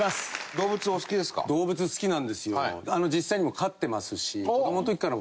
動物好きなんですよ。